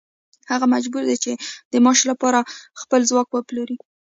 هغه مجبور دی چې د معاش لپاره خپل ځواک وپلوري